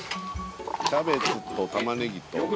キャベツと玉ねぎと。